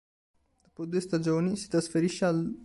Dopo due stagioni, si trasferisce all'.